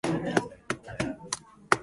韓国にはイケメンが多い